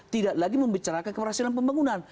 tidak lagi membicarakan keberhasilan pembangunan